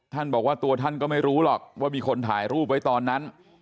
บอกว่าตัวท่านก็ไม่รู้หรอกว่ามีคนถ่ายรูปไว้ตอนนั้น